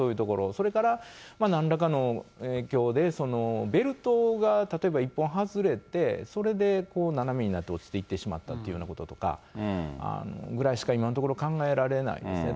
それからなんらかの影響で、ベルトが例えば１本外れて、それで斜めになって落ちていってしまったというようなこととかぐらいしか今のところ考えられないですね。